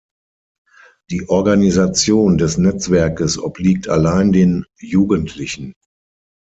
Die Organisation des Netzwerkes obliegt allein den Jugendlichen.